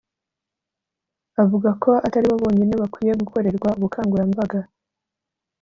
Avuga ko atari bo bonyine bakwiye gukorerwa ubukangurambaga